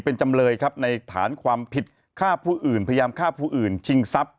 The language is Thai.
เป็นจำเลยครับในฐานความผิดฆ่าผู้อื่นพยายามฆ่าผู้อื่นชิงทรัพย